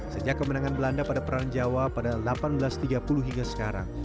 sejak kemenangan belanda pada perang jawa pada seribu delapan ratus tiga puluh hingga sekarang